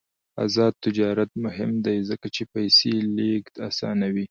آزاد تجارت مهم دی ځکه چې پیسې لیږد اسانوي.